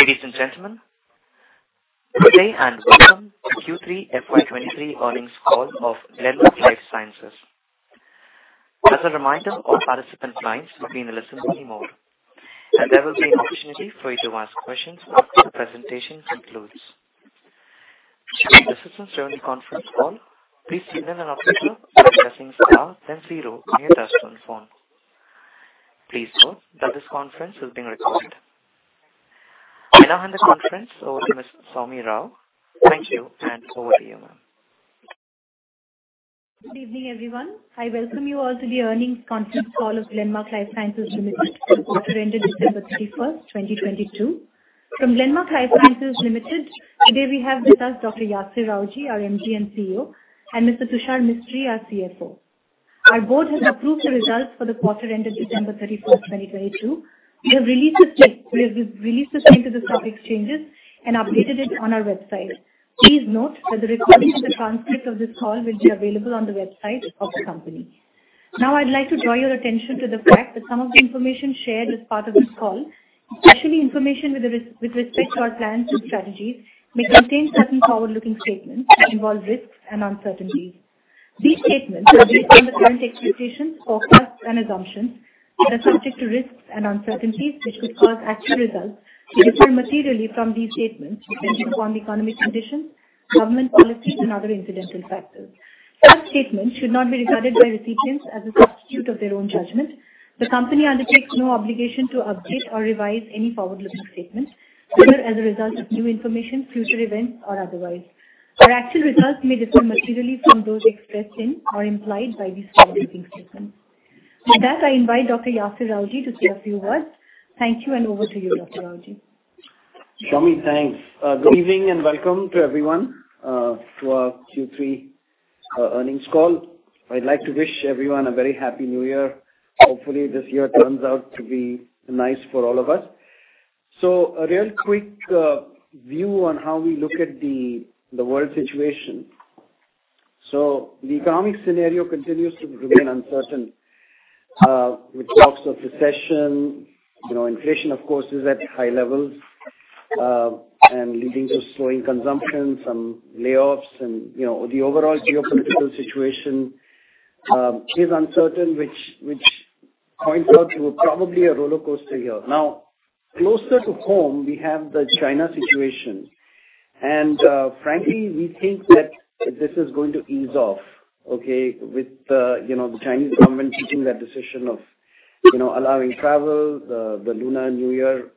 Ladies and gentlemen, good day and welcome to Q3 FY 2023 earnings call of Glenmark Life Sciences. As a reminder, all participant lines will be in a listen-only mode, and there will be an opportunity for you to ask questions after the presentation concludes. Should you assistance during the conference call, please signal an operator by pressing star then zero on your touchtone phone. Please note that this conference is being recorded. I now hand the conference over to Ms. Saumya Rao. Thank you, and over to you, ma'am. Good evening, everyone. I welcome you all to the earnings conference call of Glenmark Life Sciences Limited for the quarter ended December 31st, 2022. From Glenmark Life Sciences Limited, today we have with us Dr. Yasir Rawjee, our MD and CEO, and Mr. Tushar Mistry, our CFO. Our board has approved the results for the quarter ended December 31st, 2022. We have re-released the same to the stock exchanges and updated it on our website. Please note that the recording and the transcript of this call will be available on the website of the company. Now I'd like to draw your attention to the fact that some of the information shared as part of this call, especially information with respect to our plans and strategies, may contain certain forward-looking statements that involve risks and uncertainties. These statements are based on the current expectations, forecasts, and assumptions and are subject to risks and uncertainties which could cause actual results to differ materially from these statements depending upon the economic conditions, government policies, and other incidental factors. Such statements should not be regarded by recipients as a substitute of their own judgment. The company undertakes no obligation to update or revise any forward-looking statements, whether as a result of new information, future events, or otherwise. Our actual results may differ materially from those expressed in or implied by these forward-looking statements. With that, I invite Dr. Yasir Rawjee to say a few words. Thank you, and over to you, Dr. Rawjee. Soumi, thanks. Good evening and welcome to everyone, to our Q3 earnings call. I'd like to wish everyone a very happy New Year. Hopefully, this year turns out to be nice for all of us. A real quick view on how we look at the world situation. The economic scenario continues to remain uncertain, with talks of recession. You know, inflation, of course, is at high levels, and leading to slowing consumption, some layoffs. You know, the overall geopolitical situation is uncertain, which points out to probably a roller coaster year. Now, closer to home, we have the China situation. Frankly, we think that this is going to ease off, okay? With the, you know, the Chinese government taking that decision of, you know, allowing travel. The Lunar New Year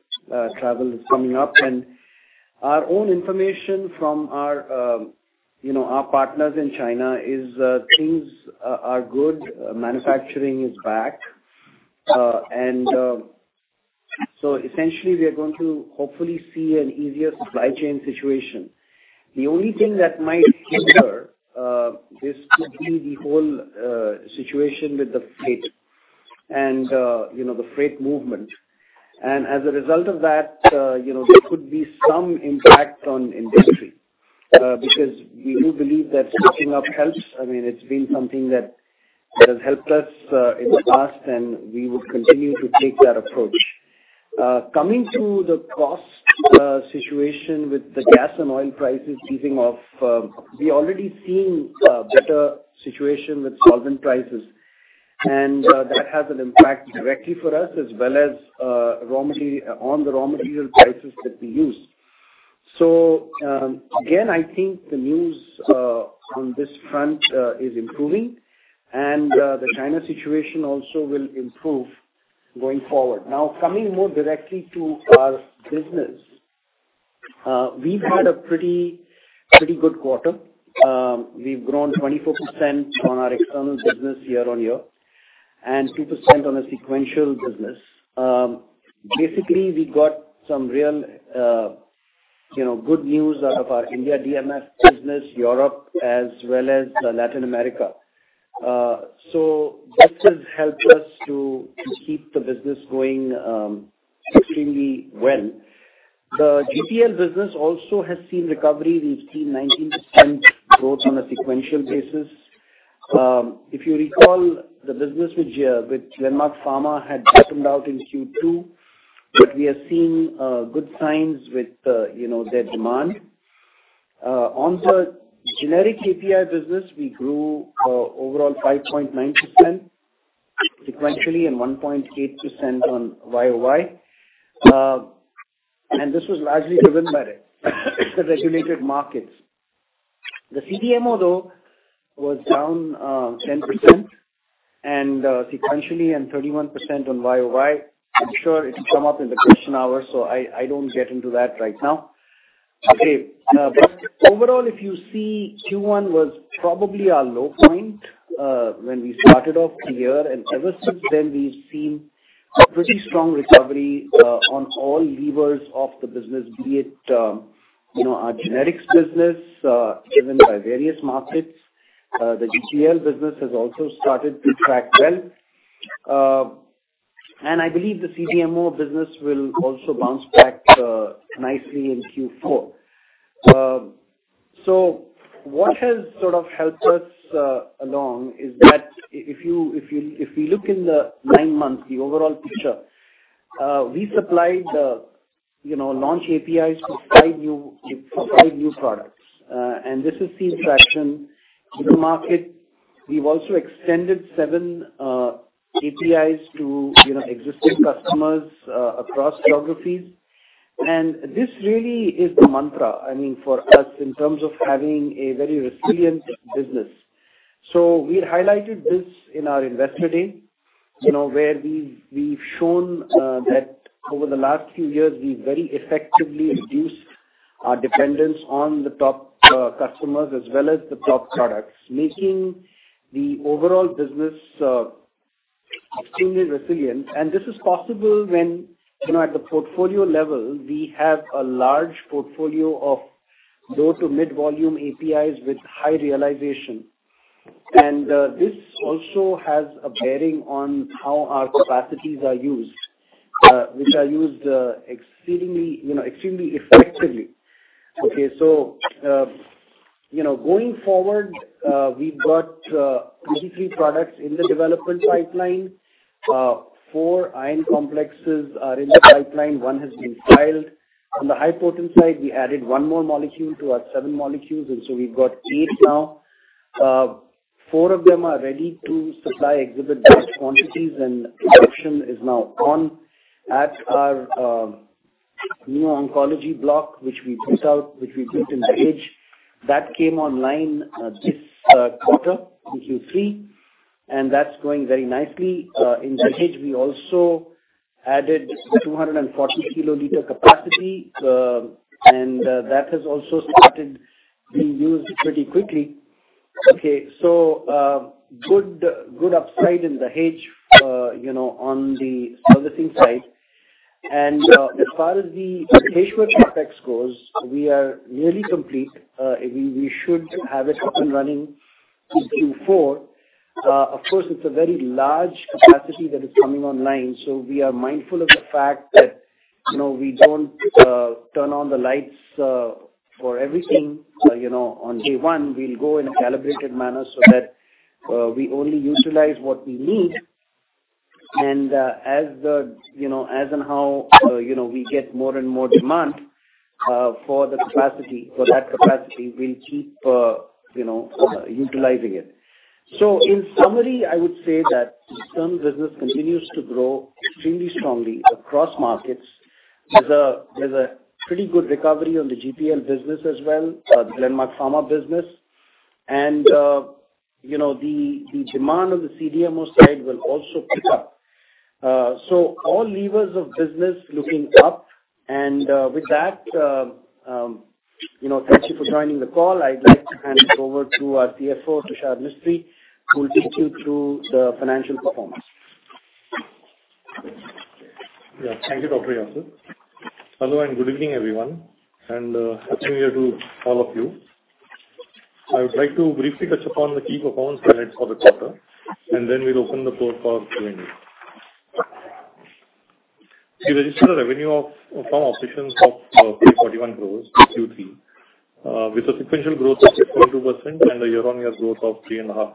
travel is coming up and our own information from our, you know, our partners in China is things are good. Manufacturing is back. Essentially we are going to hopefully see an easier supply chain situation. The only thing that might hinder this could be the whole situation with the freight and, you know, the freight movement. As a result of that, you know, there could be some impact on industry because we do believe that stocking up helps. I mean, it's been something that has helped us in the past, we would continue to take that approach. Coming to the cost situation with the gas and oil prices easing off, we're already seeing a better situation with solvent prices and that has an impact directly for us as well as on the raw material prices that we use. Again, I think the news on this front is improving and the China situation also will improve going forward. Coming more directly to our business, we've had a pretty good quarter. We've grown 24% on our external business year-over-year, and 2% on a sequential business. Basically, we got some real, you know, good news out of our India DMF business, Europe, as well as Latin America. This has helped us to keep the business going extremely well. The GTL business also has seen recovery. We've seen 19% growth on a sequential basis. If you recall, the business with Glenmark Pharmaceuticals had bottomed out in Q2, but we are seeing good signs with, you know, their demand. On the generic API business, we grew overall 5.9% sequentially and 1.8% on Y-o-Y. This was largely driven by the regulated markets. The CDMO, though, was down 10% sequentially and 31% on Y-o-Y. I'm sure it'll come up in the question hour, so I don't get into that right now. Overall, if you see Q1 was probably our low point when we started off the year. Ever since then, we've seen a pretty strong recovery on all levers of the business, be it, you know, our generics business, driven by various markets. The GTL business has also started to track well. I believe the CDMO business will also bounce back nicely in Q4. What has sort of helped us along is that if you look in the nine months, the overall picture, we supplied, you know, launch APIs for five new products. This has seen traction in the market. We've also extended seven APIs to, you know, existing customers across geographies. This really is the mantra, I mean, for us in terms of having a very resilient business. We highlighted this in our investor day, you know, where we've shown that over the last few years we've very effectively reduced our dependence on the top customers as well as the top products, making the overall business extremely resilient. This is possible when, you know, at the portfolio level, we have a large portfolio of low to mid-volume APIs with high realization. This also has a bearing on how our capacities are used, which are used exceedingly, you know, extremely effectively. Okay, you know, going forward, we've got 23 products in the development pipeline. Four ion complexes are in the pipeline, one has been filed. On the high potent side, we added one more molecule to our seven molecules, and so we've got eight now. Four of them are ready to supply exhibit batch quantities and production is now on at our new oncology block, which we built in Dahej. That came online this quarter in Q3, and that's going very nicely. In Dahej we also added 240 kiloliter capacity, and that has also started being used pretty quickly. Good, good upside in Dahej, you know, on the servicing side. As far as the Dahej CapEx goes, we are nearly complete. We should have it up and running in Q4. Of course, it's a very large capacity that is coming online, so we are mindful of the fact that, you know, we don't turn on the lights for everything, you know, on day one. We'll go in a calibrated manner so that we only utilize what we need. As and how, you know, we get more and more demand for the capacity, for that capacity, we'll keep, you know, utilizing it. In summary, I would say that the STEM business continues to grow extremely strongly across markets. There's a, there's a pretty good recovery on the GPL business as well, the Glenmark Pharma business. The, the demand on the CDMO side will also pick up. So all levers of business looking up. With that, you know, thank you for joining the call. I'd like to hand it over to our CFO, Tushar Mistry, who will take you through the financial performance. Yeah. Thank you, Dr. Yasir. Hello and good evening, everyone, and a very good year to all of you. I would like to briefly touch upon the key performance credits for the quarter, and then we'll open the floor for Q&A. We registered a revenue from operations of 341 crores for Q3, with a sequential growth of 6.2% and a year-on-year growth of 3.5%.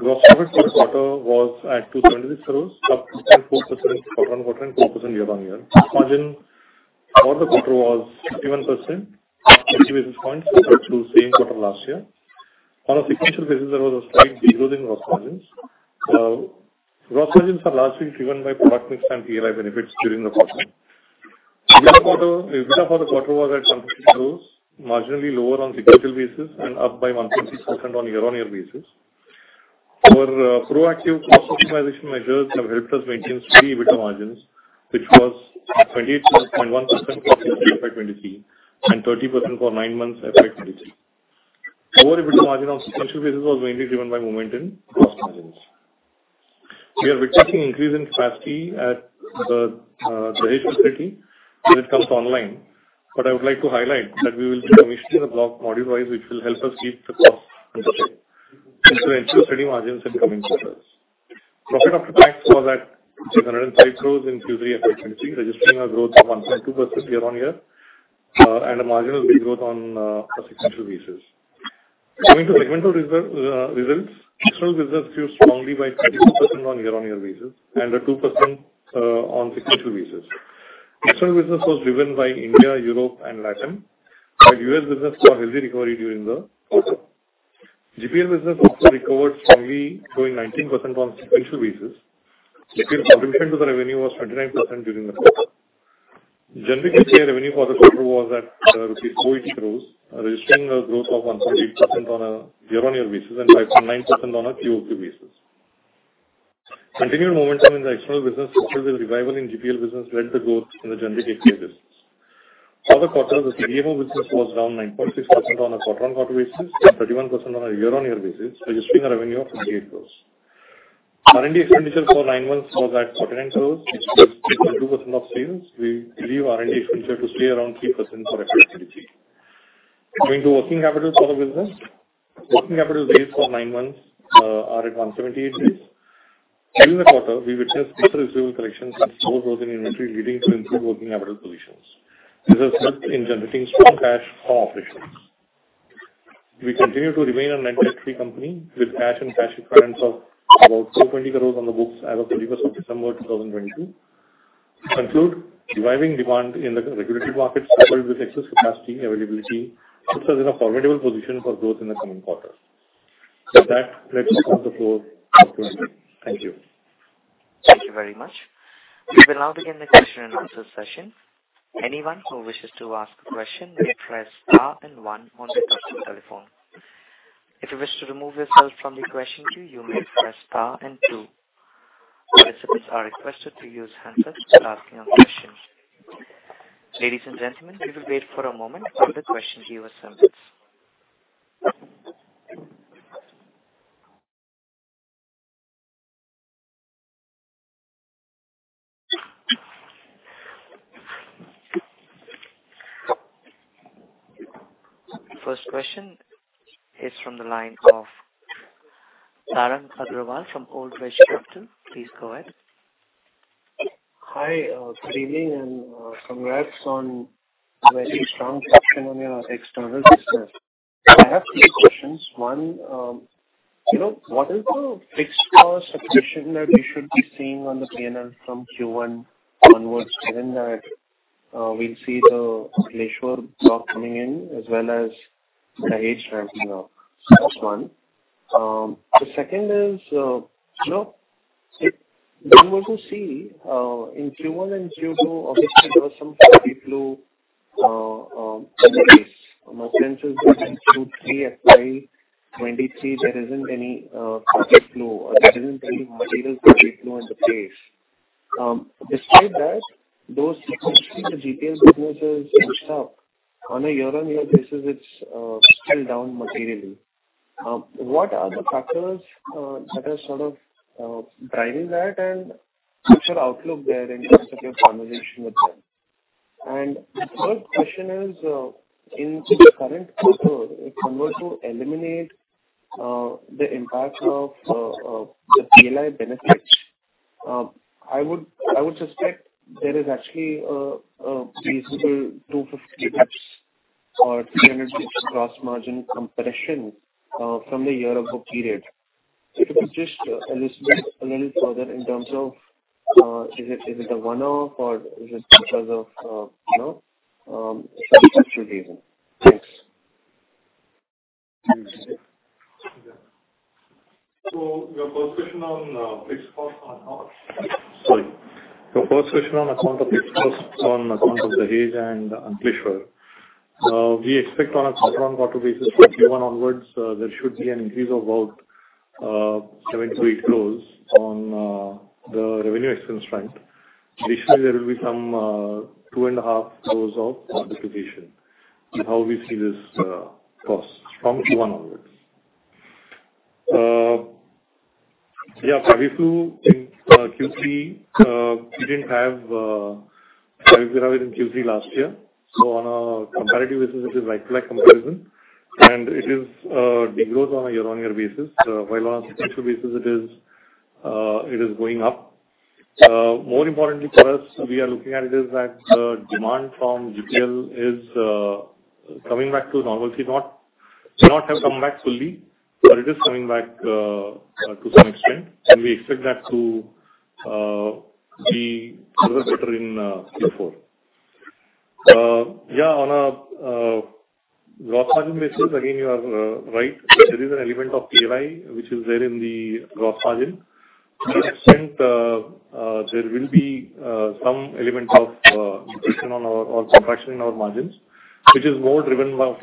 Gross profit for the quarter was at 276 crores, up 6.4% quarter-on-quarter and 2% year-on-year. Margin for the quarter was 31%, up 50 basis points as compared to same quarter last year. On a sequential basis, there was a slight decrease in gross margins. Gross margins are largely driven by product mix and PLI benefits during the quarter. EBITDA for the quarter was at INR 70 crores, marginally lower on sequential basis and up by 1.6% on year-on-year basis. Our proactive cost optimization measures have helped us maintain free EBITDA margins, which was at 28.1% for FY 2023 and 30% for nine months FY 2023. Lower EBITDA margin on sequential basis was mainly driven by momentum in gross margins. We are witnessing increase in capacity at the Dahej facility as it comes online. I would like to highlight that we will be commissioning the block module-wise, which will help us keep the costs in check and to ensure steady margins in coming quarters. Profit after tax was at 605 crores in Q3 FY 2023, registering a growth of 1.2% year-on-year and a marginal de-growth on a sequential basis. Coming to segmental results, external business grew strongly by 22% on year-on-year basis and at 2% on sequential basis. External business was driven by India, Europe and Latin. US business saw healthy recovery during the quarter. GPL business also recovered strongly, showing 19% on sequential basis. GPL contribution to the revenue was 29% during the quarter. Generic API revenue for the quarter was at rupees 480 crores, registering a growth of 1.8% on a year-on-year basis and 5.9% on a QOQ basis. Continued momentum in the external business coupled with revival in GPL business led the growth in the generic API business. For the quarter, the CDMO business was down 9.6% on a quarter-on-quarter basis and 31% on a year-on-year basis, registering a revenue of 58 crores. R&D expenditure for nine months was at 49 crores, which was 3.2% of sales. We believe R&D expenditure to stay around 3% for FY 2023. Coming to working capital for the business. Working capital days for nine months are at 178 days. During the quarter, we witnessed better receivable collections and slow growth in inventory leading to improved working capital positions. This has helped in generating strong cash from operations. We continue to remain a net debt-free company with cash and cash equivalents of about 420 crores on the books as of December 31, 2022. To conclude, reviving demand in the regulatory markets coupled with excess capacity availability puts us in a formidable position for growth in the coming quarters. With that, let us start the floor for Q&A. Thank you. Thank you very much. We will now begin the question and answer session. Anyone who wishes to ask a question may press star and one on their touch telephone. If you wish to remove yourself from the question queue, you may press star and two. Participants are requested to use handsets for asking of questions. Ladies and gentlemen, we will wait for a moment for the question queue assemblies. First question is from the line of Tarun Agarwal from Old Bridge Capital. Please go ahead. Hi, good evening, congrats on very strong traction on your external business. I have three questions. One, you know, what is the fixed cost suppression that we should be seeing on the P&L from Q1 onwards, given that we'll see the Ankleshwar plant coming in as well as the H ramping up? That's one. The second is, you know, when were to see in Q1 and Q2, obviously, there was some FabiFlu delays. My sense is that in Q3 FY 2023, there isn't any FabiFlu or there isn't any material FabiFlu at the pace. Despite that, those 60 of the GPL businesses mixed up. On a year-on-year basis, it's still down materially. What are the factors that are sort of driving that and what's your outlook there in terms of your conversation with them? Third question is, into the current quarter, if one were to eliminate the impact of the PLI benefits, I would suspect there is actually a feasible 250 basis or 300 basis gross margin compression from the year of book period. If you could just elucidate a little further in terms of, is it a one-off or is it because of, you know, structural reason? Thanks. Your first question on account of fixed cost on account of the H-Block and Ankleshwar. We expect on a quarter-on-quarter basis for Q1 onwards, there should be an increase of about 7-8 crores on the revenue expense front. Additionally, there will be some two and a half crores of participation in how we see this cost from Q1 onwards. Yeah, FabiFlu in Q3, we didn't have FabiFlu in Q3 last year. On a comparative basis it is like for like comparison and it is de-growth on a year-on-year basis. While on sequential basis it is going up. More importantly for us, we are looking at it is that demand from GPL is coming back to normalcy thought. It may not have come back fully, but it is coming back to some extent. We expect that to be little better in Q4. On a gross margin basis, again, you are right. There is an element of PLI which is there in the gross margin. To that extent, there will be some element of friction on our or contraction in our margins, which is more driven by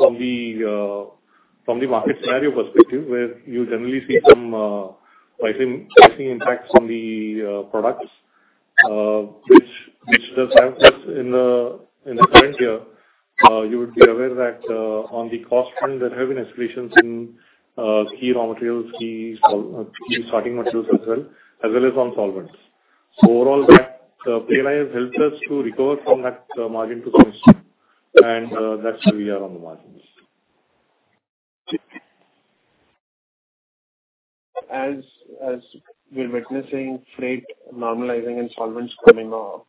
from the market scenario perspective, where you generally see some pricing impacts on the products, which does have plus in the current year, you would be aware that on the cost front, there have been escalations in key raw materials, key starting materials as well, as well as on solvents. Overall that PLI has helped us to recover from that margin compression. That's where we are on the margins. As we're witnessing freight normalizing and solvents coming off,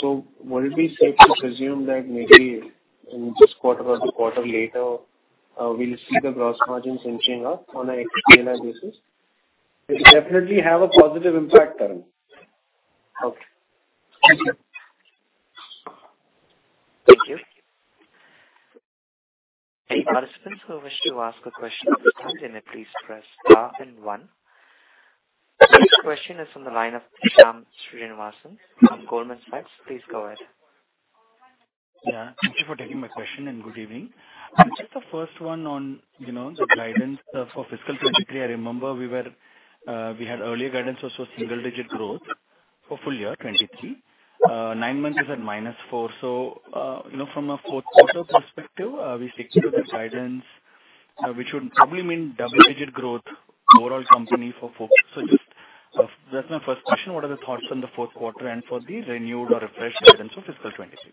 so would it be safe to presume that maybe in this quarter or the quarter later, we'll see the gross margins inching up on a PLI basis? It'll definitely have a positive impact, Tarun. Okay. Thank you. Thank you. Any participants who wish to ask a question at this time may please press star and one. Next question is from the line of Shyam Srinivasan from Goldman Sachs. Please go ahead. Yeah, thank you for taking my question. Good evening. Just the first one on, you know, the guidance for fiscal 2023. I remember we had earlier guidance was for single digit growth for full year 2023. Nine months is at -4%. you know, from a fourth quarter perspective, we stick to that guidance, which would probably mean double-digit growth overall company for folks. Just, that's my first question. What are the thoughts on the fourth quarter and for the renewed or refreshed guidance for fiscal 2023?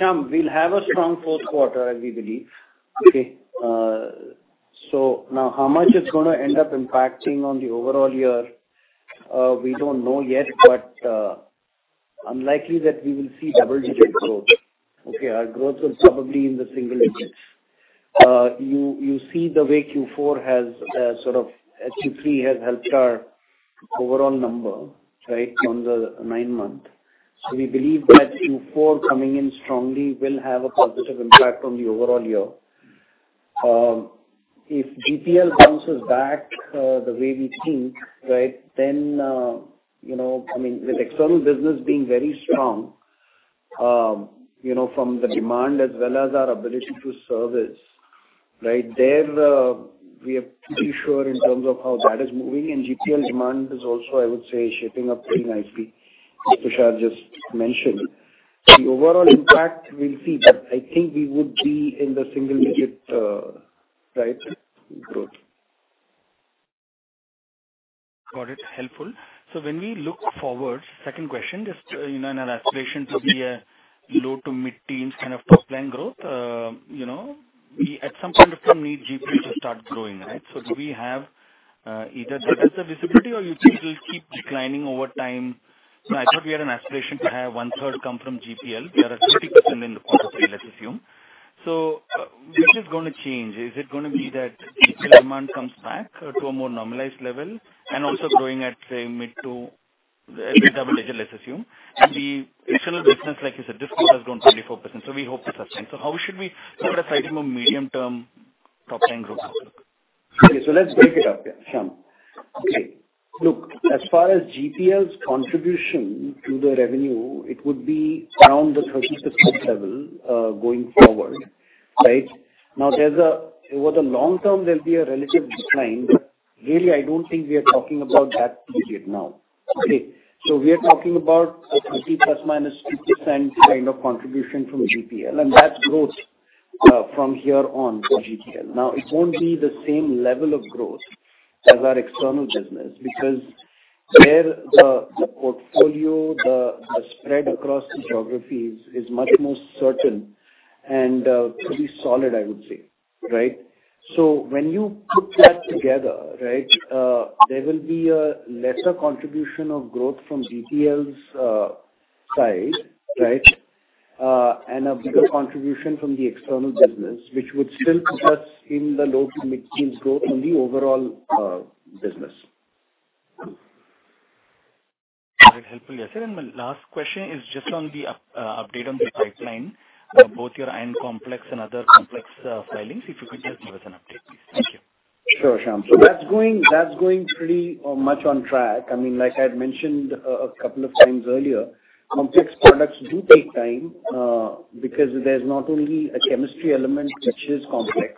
Shyam, we'll have a strong fourth quarter, we believe. Okay. Now how much it's gonna end up impacting on the overall year, we don't know yet, unlikely that we will see double-digit growth. Okay? Our growth will probably in the single digits. You see the way Q4 has Q3 has helped our overall number, right, on the nine-month. We believe that Q4 coming in strongly will have a positive impact on the overall year. If GPL bounces back, the way we think, right, then, you know, I mean, with external business being very strong, you know, from the demand as well as our ability to service, right, there, we are pretty sure in terms of how that is moving, and GPL demand is also, I would say, shaping up pretty nicely, as Tushar just mentioned. The overall impact we'll see, but I think we would be in the single digit, right, growth. Got it. Helpful. When we look forward, second question, just, you know, in our aspiration to be a low to mid-teens kind of top-line growth, you know, we at some point or time need GPL to start growing, right. Do we have, either there is a visibility or you think it'll keep declining over time? I thought we had an aspiration to have 1/3 come from GPL. We are at 30% in quarter three, let's assume. Which is gonna change? Is it gonna be that GPL demand comes back to a more normalized level and also growing at, say, mid to double digit, let's assume, and the external business, like you said, this quarter has grown 24%, so we hope it sustains. How should we sort of sight a more medium-term top-line growth? Okay. Let's break it up, yeah, Shyam. Okay. Look, as far as GPL's contribution to the revenue, it would be around the 30% level going forward, right. Over the long term, there'll be a relative decline. Really, I don't think we are talking about that period now. Okay? We are talking about a 30% ± 2% kind of contribution from GPL and that growth from here on for GPL. It won't be the same level of growth as our external business because there the portfolio, the spread across geographies is much more certain and pretty solid, I would say, right. When you put that together, there will be a lesser contribution of growth from GPL's side, and a bigger contribution from the external business, which would still put us in the low to mid-teens growth in the overall business. Very helpful, Yasir. My last question is just on the update on the pipeline, both your iron complex and other complex filings. If you could just give us an update, please. Thank you. Sure, Shyam. That's going, that's going pretty much on track. I mean, like I had mentioned a couple of times earlier, complex products do take time because there's not only a chemistry element which is complex,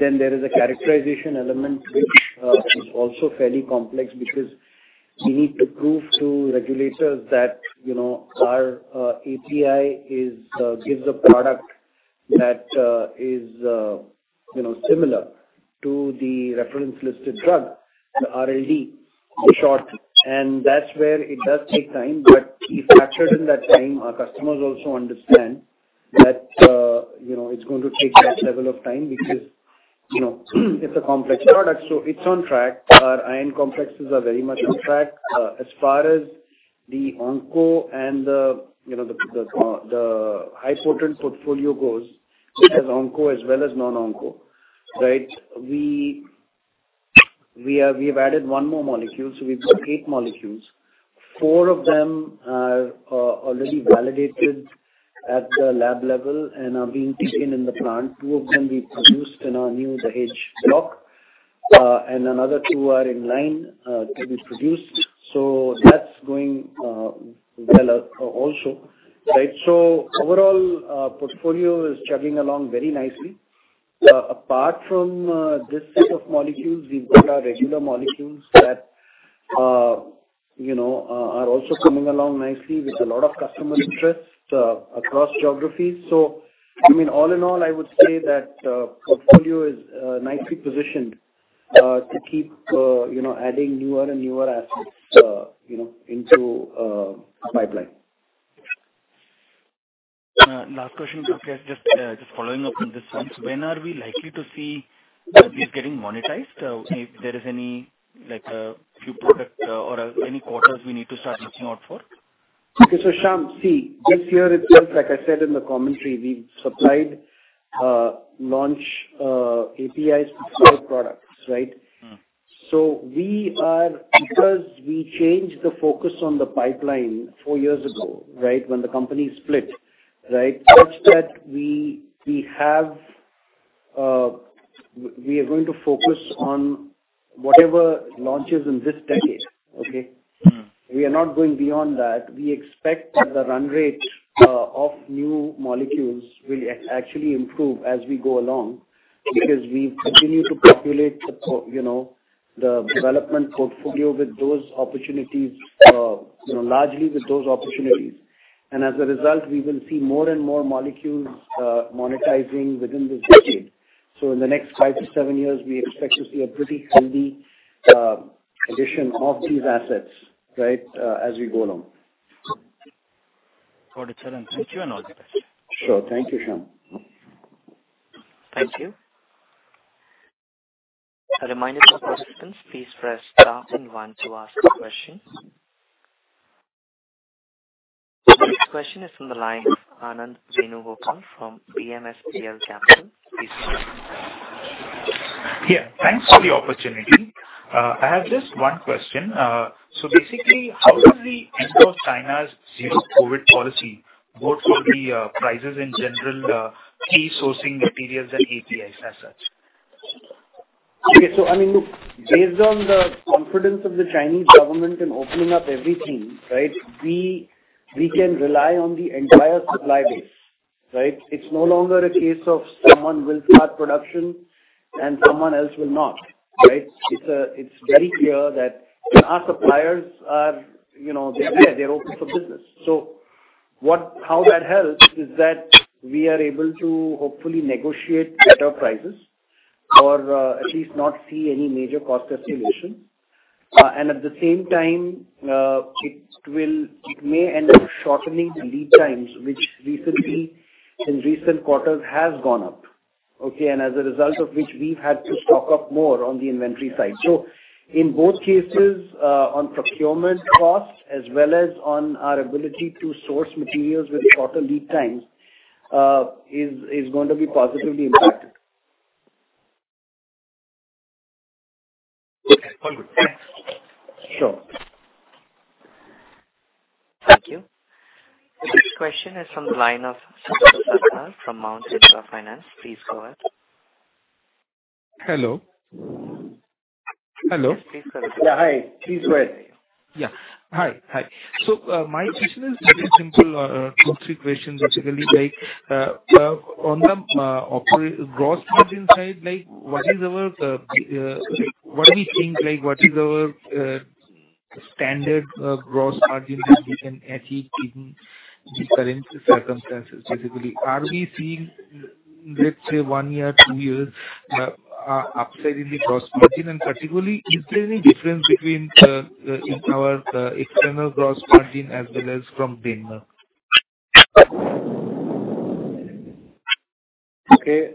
then there is a characterization element which is also fairly complex because we need to prove to regulators that, you know, our API is gives a product that is, you know, similar to the reference listed drug, the RLD in short. That's where it does take time. We factor in that time. Our customers also understand that, you know, it's going to take that level of time because, you know, it's a complex product. It's on track. Our iron complexes are very much on track. As far as the onco and the, you know, the high-potent portfolio goes, as onco as well as non-onco, right? We've added one more molecule, so we've got eight molecules. Four of them are already validated at the lab level and are being taken in the plant. Two of them we produced in our new H-Block, and another two are in line to be produced. That's going well also. Right? Overall, portfolio is chugging along very nicely. Apart from this set of molecules, we've got our regular molecules that, you know, are also coming along nicely with a lot of customer interest across geographies. I mean, all in all, I would say that, portfolio is nicely positioned to keep, you know, adding newer and newer assets, you know, into our pipeline. Last question, if you have, just following up on this one. When are we likely to see these getting monetized, if there is any, like, few products, or any quarters we need to start looking out for? Okay. Sham, see, this year itself, like I said in the commentary, we've supplied launch APIs to four products, right? Mm. Because we changed the focus on the pipeline four years ago, right? When the company split, right? Such that we are going to focus on whatever launches in this decade. Okay? Mm. We are not going beyond that. We expect that the run rate of new molecules will actually improve as we go along because we continue to populate the you know, the development portfolio with those opportunities, you know, largely with those opportunities. As a result, we will see more and more molecules monetizing within this decade. In the next five to seven years, we expect to see a pretty healthy addition of these assets, right, as we go along. Got it, sir. Thank you, and all the best. Sure. Thank you, Shyam. Thank you. A reminder to participants, please press star then one to ask a question. The next question is from the line of Anand Chenubutal from BMSGL Capital. Please go ahead. Yeah. Thanks for the opportunity. I have just one question. Basically, how does the end of China's zero COVID policy work for the prices in general, key sourcing materials and APIs as such? Okay. I mean, look, based on the confidence of the Chinese government in opening up everything, right, we can rely on the entire supply base, right? It's no longer a case of someone will start production and someone else will not, right? It's, it's very clear that our suppliers are, you know, they're there, they're open for business. How that helps is that we are able to hopefully negotiate better prices or, at least not see any major cost escalation. At the same time, it may end up shortening lead times, which recently, in recent quarters has gone up, okay? As a result of which, we've had to stock up more on the inventory side. In both cases, on procurement costs as well as on our ability to source materials with shorter lead times, is going to be positively impacted. Okay. All good. Thanks. Sure. Thank you. The next question is from the line of Sudarshan from Mount Kellett Finance. Please go ahead. Hello? Hello? Yes, please go ahead. Yeah. Hi. Please go ahead. Hi. Hi. My question is very simple. two, three questions, basically. On the gross margin side, what is our, what do you think, what is our standard gross margin that we can achieve in these current circumstances, basically? Are we seeing, let's say, one year, two years upside in the gross margin? Particularly, is there any difference between our external gross margin as well as from Denmark? Okay,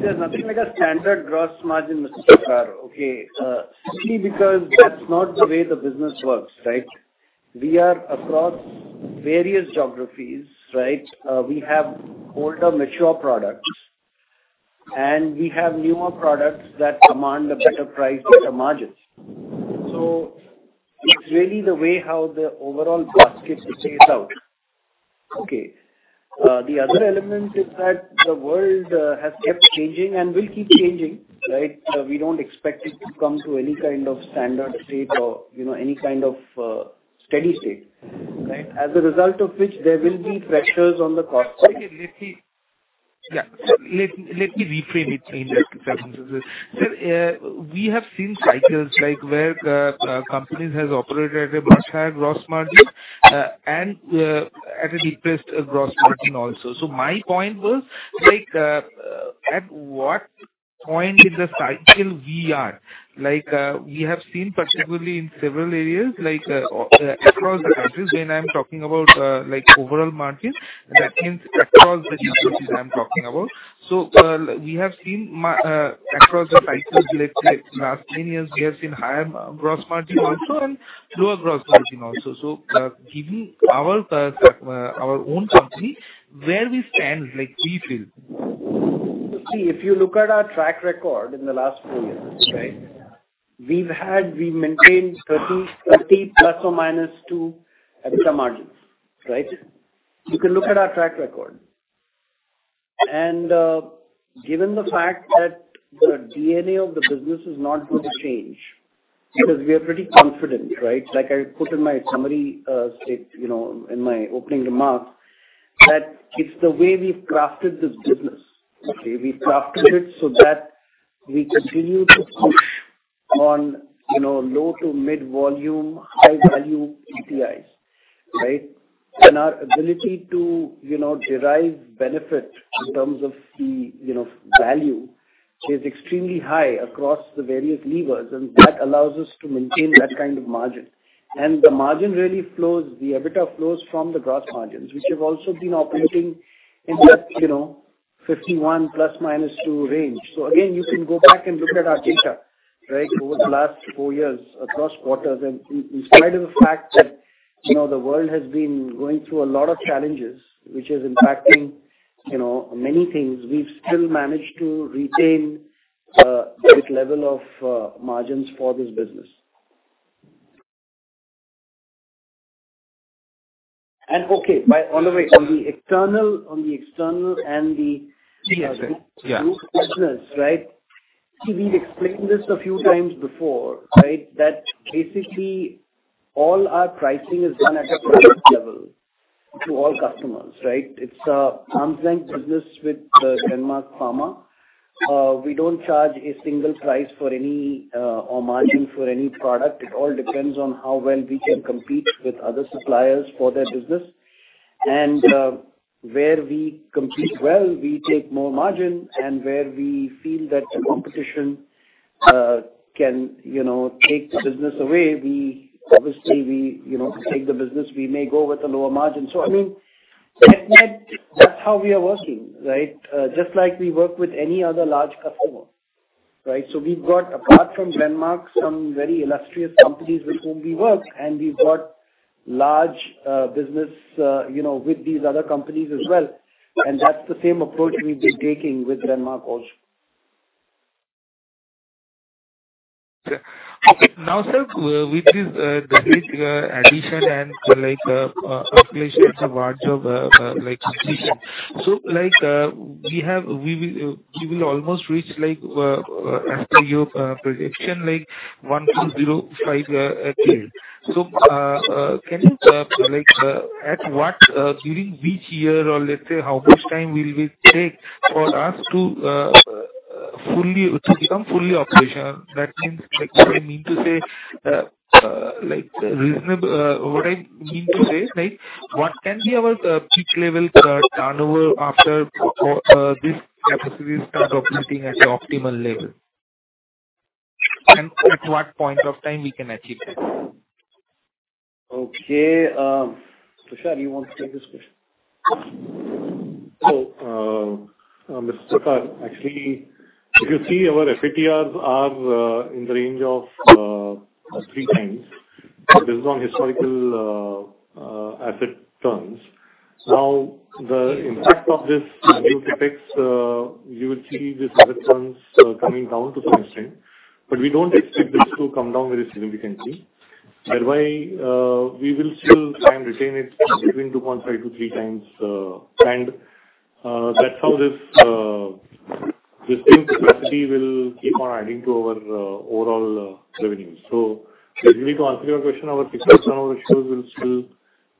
there's nothing like a standard gross margin, Mr. Sudarshan, okay? simply because that's not the way the business works, right? We are across various geographies, right? we have older, mature products and we have newer products that command a better price with the margins. it's really the way how the overall basket shakes out. Okay. The other element is that the world has kept changing and will keep changing, right? We don't expect it to come to any kind of standard state or, you know, any kind of steady state, right? As a result of which, there will be pressures on the cost side. Okay. Let me. Yeah. Let me reframe it in that circumstances. Sir, we have seen cycles like where companies has operated at a much higher gross margin and at a depressed gross margin also. My point was like at what point in the cycle we are, like we have seen particularly in several areas like across the countries when I'm talking about like overall margin, that means across the geographies I'm talking about. We have seen across the cycles, let's say last 10 years we have seen higher gross margin also and lower gross margin also. Giving our our own company where we stand like we feel. See, if you look at our track record in the last four years, right? We've maintained 30 plus or minus 2% EBITDA margins, right? You can look at our track record. Given the fact that the DNA of the business is not going to change because we are pretty confident, right? Like I put in my summary, state, you know, in my opening remarks that it's the way we've crafted this business. Okay. We've crafted it so that we continue to push on, you know, low to mid volume, high value APIs, right? Our ability to, you know, derive benefit in terms of the, you know, value is extremely high across the various levers, and that allows us to maintain that kind of margin. The margin really flows, the EBITDA flows from the gross margins, which have also been operating in that, you know, 51 ±2% range. Again, you can go back and look at our data, right? Over the last four years across quarters and in spite of the fact that, you know, the world has been going through a lot of challenges, which is impacting, you know, many things, we've still managed to retain this level of margins for this business. Okay, on the way, on the external. Yes, sir. Yeah. business, right? See, we've explained this a few times before, right? That basically all our pricing is done at a product level to all customers, right? It's a arm's length business with Glenmark Pharma. We don't charge a single price for any or margin for any product. It all depends on how well we can compete with other suppliers for their business. Where we compete well, we take more margin, and where we feel that the competition can, you know, take the business away, we obviously, you know, to take the business, we may go with a lower margin. I mean, net-net, that's how we are working, right? Just like we work with any other large customer, right? We've got, apart from Denmark, some very illustrious companies with whom we work, and we've got large business, you know, with these other companies as well, and that's the same approach we'll be taking with Denmark also. Okay. Now, sir, with this, the big addition and like, population, it's a large of like addition. We will almost reach like, as per your projection, like 1,205 KL. Can you like, at what during which year or let's say, how much time will we take for us to fully, to become fully operational? That means like, what I mean to say, like reasonable, what can be our peak level turnover after this capacity starts operating at an optimal level? At what point of time we can achieve that? Okay. Tushar you want to take this question? Mr. Shekhar, actually, if you see our FTTR are in the range of three times based on historical asset terms. Now, the impact of this new CapEx, you will see this asset terms coming down to some extent. We don't expect this to come down very significantly. Why, we will still try and retain it between 2.5 to three times. That's how this new capacity will keep on adding to our overall revenue. If you need to answer your question, our fixed turnover ratios will still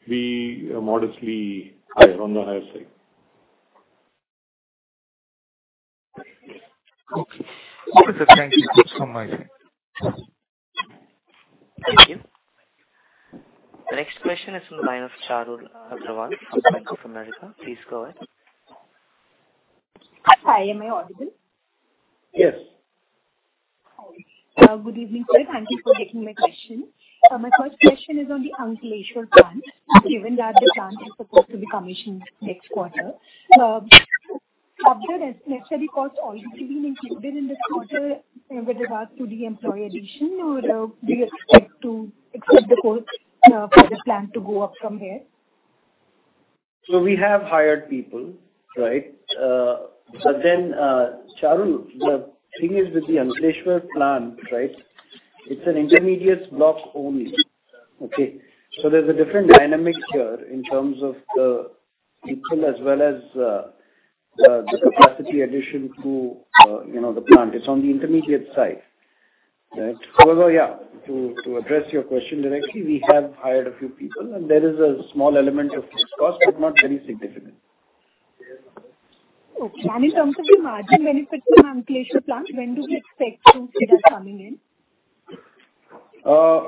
be modestly higher on the higher side. Okay. That's it. Thank you. That's all my side. Thank you. The next question is from the line of Charul Agrawal from Bank of America. Please go ahead. Hi. Am I audible? Yes. Okay. Good evening, sir. Thank you for taking my question. My first question is on the Ankleshwar plant. Given that the plant is supposed to be commissioned next quarter, have the necessary costs already been included in this quarter, with regards to the employee addition, or do you expect to incur the costs for the plant to go up from here? We have hired people, right? Charul, the thing is with the Ankleshwar plant, right, it's an intermediate block only. Okay? There's a different dynamic here in terms of the people as well as, the capacity addition to, you know, the plant. It's on the intermediate side, right? Although, yeah, to address your question directly, we have hired a few people and there is a small element of cost, but not very significant. Okay. In terms of the margin benefit from Ankleshwar plant, when do we expect to see that coming in?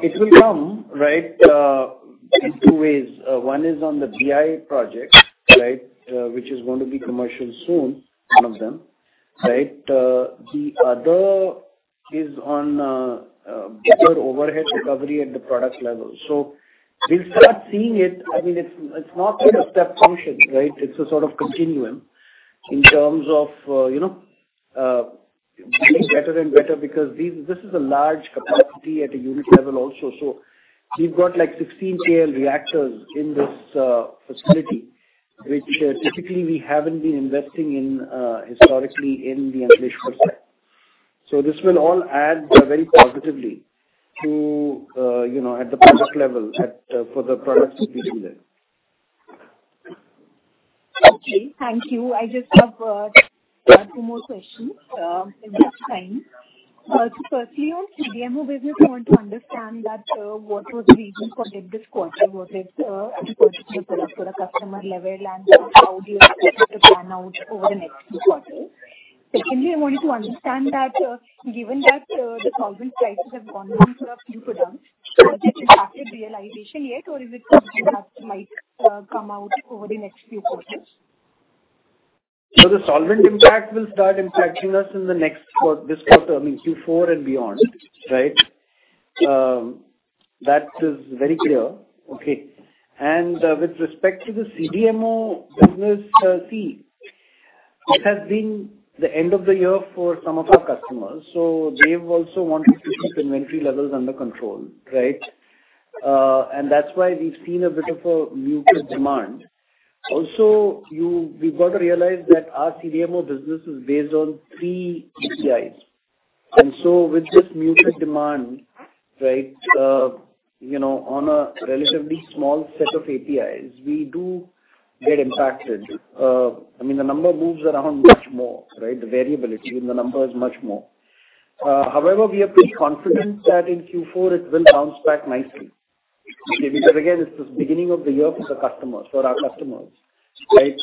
It will come, right, in two ways. One is on the GI project, right, which is going to be commercial soon, one of them, right? The other is on better overhead recovery at the product level. We'll start seeing it. I mean, it's not like a step function, right? It's a sort of continuum in terms of, you know, getting better and better because these, this is a large capacity at a unit level also. We've got like 16 KL reactors in this facility, which typically we haven't been investing in historically in the Ankleshwar site. This will all add very positively to, you know, at the product level at for the products which we do there. Okay. Thank you. I just have two more questions, if there's time. Firstly, on CDMO business, I want to understand that what was the reason for dip this quarter? What is, I mean, questionable at a customer level and how do you expect it to pan out over the next few quarters? Secondly, I wanted to understand that, given that, the solvent prices have gone down for a few products, has it impacted realization yet or is it something that might come out over the next few quarters? The solvent impact will start impacting us in the next quarter, this quarter, I mean Q4 and beyond, right? That is very clear. Okay. With respect to the CDMO business, see it has been the end of the year for some of our customers, so they've also wanted to keep inventory levels under control, right? That's why we've seen a bit of a muted demand. Also we've got to realize that our CDMO business is based on three APIs. With this muted demand, right, you know, on a relatively small set of APIs, we do get impacted. I mean, the number moves around much more, right? The variability in the number is much more. However, we are pretty confident that in Q4 it will bounce back nicely. Okay. Because again, it's the beginning of the year for the customers, for our customers, right?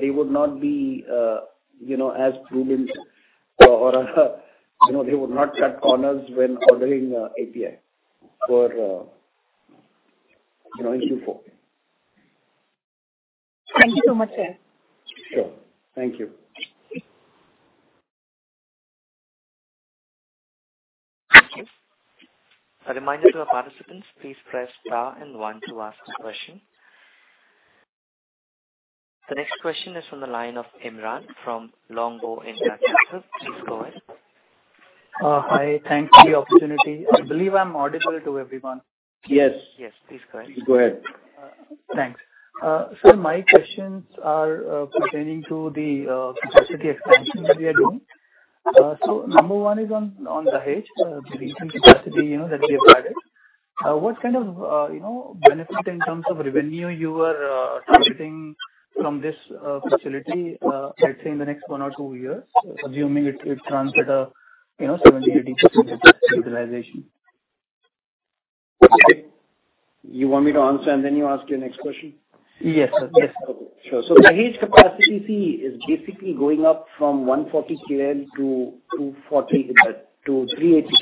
They would not be, you know, as prudent or you know, they would not cut corners when ordering API for, you know, Q4. Thank you so much, sir. Sure. Thank you. A reminder to our participants, please press star and one to ask a question. The next question is from the line of Imran from Longbow India. Sir, please go ahead. Hi. Thanks for the opportunity. I believe I'm audible to everyone. Yes. Yes, please go ahead. Please go ahead. Thanks. My questions are pertaining to the capacity expansion that you are doing. Number one is on Dahej, the recent capacity, you know, that we have added. What kind of, you know, benefit in terms of revenue you are targeting from this facility, let's say in the next one or two years, assuming it runs at a, you know, 70%-80% utilization? You want me to answer and then you ask your next question? Yes, sir. Yes. Okay, sure. Dahej capacity C is basically going up from 140 KL-380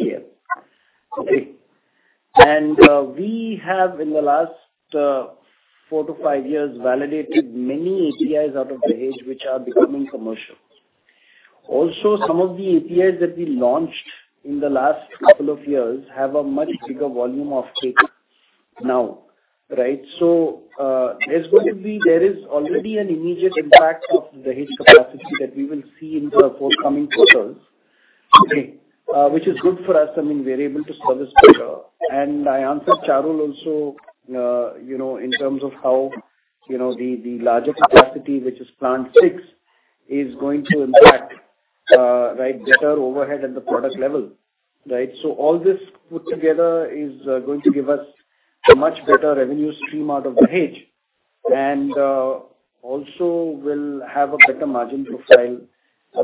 KL. We have in the last four to five years validated many APIs out of Dahej which are becoming commercial. Also some of the APIs that we launched in the last couple of years have a much bigger volume of take now, right? There is already an immediate impact of Dahej capacity that we will see in the forthcoming quarters. Which is good for us. I mean, we are able to service better. I answered Charul also, you know, in terms of how, you know, the larger capacity, which is plant six, is going to impact, right, better overhead at the product level, right? All this put together is going to give us a much better revenue stream out of Dahej. Also we'll have a better margin profile,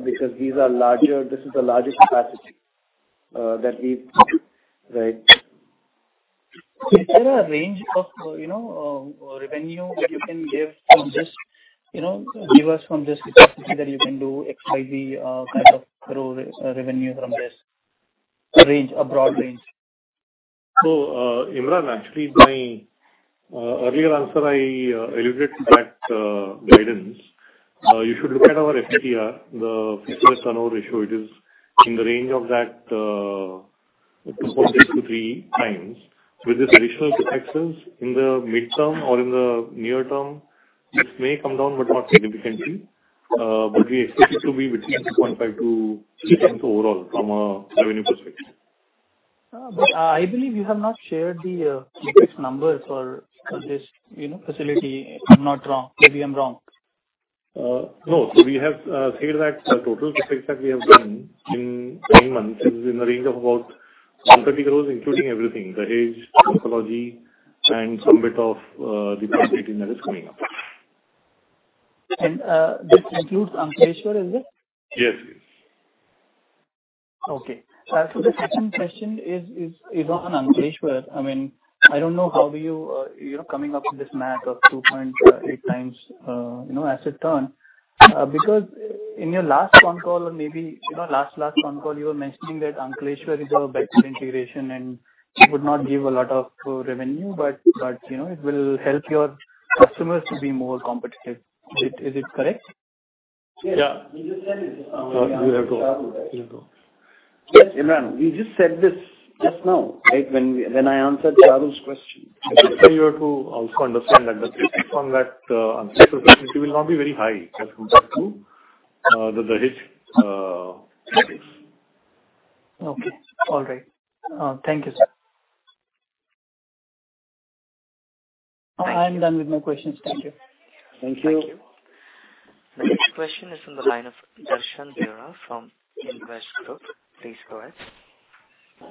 because this is the largest capacity. Right. Is there a range of, you know, revenue that you can give from this, you know, levers from this capacity that you can do XYZ, kind of grow re-revenue from this range, a broad range? Imran, actually my earlier answer I alluded to that guidance. You should look at our FTTR, the fixed asset turnover ratio. It is in the range of that 2.8 to three times. With this additional CapExes in the midterm or in the near term, this may come down, but not significantly. We expect it to be between 2.5 to three times overall from a revenue perspective. I believe you have not shared the CapEx number for this, you know, facility, if I'm not wrong. Maybe I'm wrong. No. We have said that the total CapEx that we have done in nine months is in the range of about 130 crores including everything, Dahej, oncology and some bit of the capacity that is coming up. This includes Ankleshwar, is it? Yes. Yes. Actually the second question is on Ankleshwar. I mean, I don't know how you know, coming up with this math of 2.8x, you know, asset turn. Because in your last phone call or maybe, you know, last phone call, you were mentioning that Ankleshwar is our backward integration and it would not give a lot of revenue, but, you know, it will help your customers to be more competitive. Is it, is it correct? Yeah. We just said this now. You have to. Yes, Imran, we just said this just now, right? When I answered Charul's question. You have to also understand that the CapEx on that Ankleshwar facility will not be very high as compared to the Dahej CapEx. Okay. All right. Thank you, sir. I'm done with my questions. Thank you. Thank you. Thank you. The next question is from the line of Darshan Vira from Investec. Please go ahead.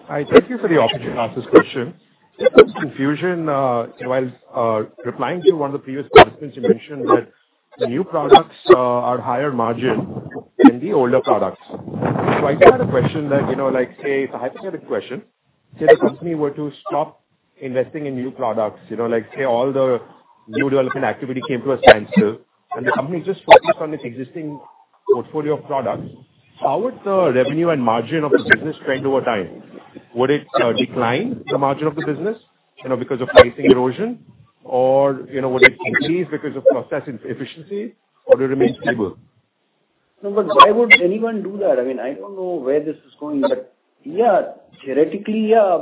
Hi. Thank you for the opportunity to ask this question. Just confusion, while replying to one of the previous participants, you mentioned that the new products are higher margin than the older products. I just had a question that, you know, like say. It's a hypothetical question. Say the company were to stop investing in new products, you know, like say all the new development activity came to a standstill and the company just focused on its existing portfolio of products, how would the revenue and margin of the business trend over time? Would it decline the margin of the business, you know, because of pricing erosion? You know, would it increase because of process efficiency or it remain stable? Why would anyone do that? I mean, I don't know where this is going, but yeah, theoretically, yeah.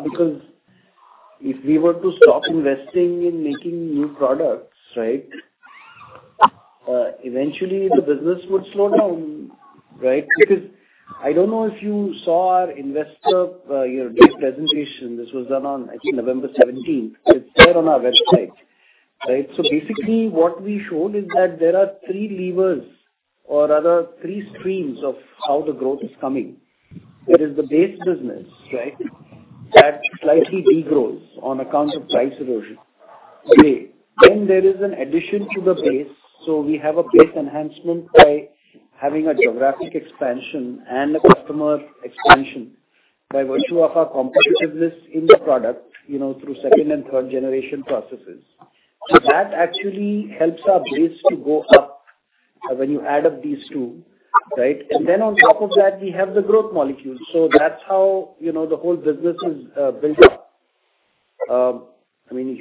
If we were to stop investing in making new products, right, eventually the business would slow down, right? I don't know if you saw our investor, your base presentation. This was done on, I think, November 17th. It's there on our website, right? Basically what we showed is that there are three levers or rather three streams of how the growth is coming. There is the base business, right, that slightly degrows on account of price erosion. Okay. There is an addition to the base. We have a base enhancement by having a geographic expansion and a customer expansion by virtue of our competitiveness in the product, you know, through second and third generation processes. That actually helps our base to go up when you add up these two, right? Then on top of that, we have the growth molecules. That's how, you know, the whole business is built up. I mean,